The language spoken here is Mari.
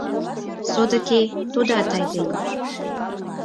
Содыки тудат айдеме...